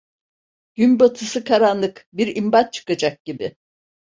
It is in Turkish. Günbatısı karanlık, bir imbat çıkacak gibi!